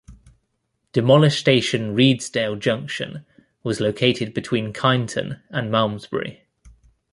Demolished station Redesdale Junction was located between Kyneton and Malmsbury.